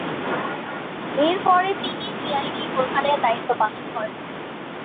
এরপরে তিনি সিআইডি প্রধানের দায়িত্ব পালন করেন।